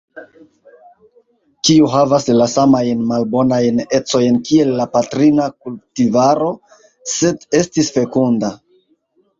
Kiu havas la samajn malbonajn ecojn kiel la patrina kultivaro, sed estis fekunda.